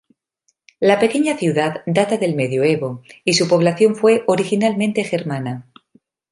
La pequeña ciudad data del medioevo, y su población fue originalmente germana.